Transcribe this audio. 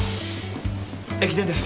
駅伝です